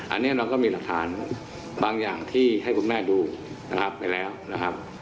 อันนี้เราก็มีหลักฐานบางอย่างที่ให้คุณแม่ดูนะครับไปแล้วนะครับ